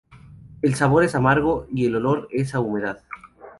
El sabor es amargo y el olor es a humedad.